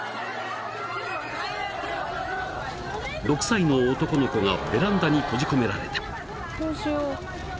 ［６歳の男の子がベランダに閉じ込められた］